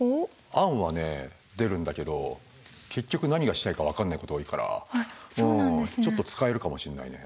案はね出るんだけど結局何がしたいか分かんないこと多いからちょっと使えるかもしれないね。